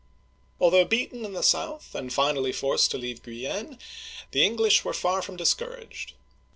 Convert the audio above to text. Although beaten in the south, and finally forced to leave Guienne, the English were far from discouraged.